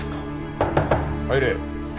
入れ。